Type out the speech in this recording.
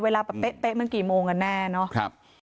เวลาแบบเป๊ะมันกี่โมงกันแน่เนาะ